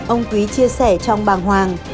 ông quý chia sẻ trong bàng hoàng